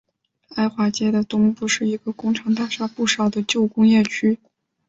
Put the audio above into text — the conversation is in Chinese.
埃华街的东部是一个工厂大厦不少的旧工业区。